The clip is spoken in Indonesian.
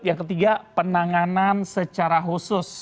yang ketiga penanganan secara khusus